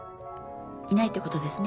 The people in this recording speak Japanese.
いないってことですね？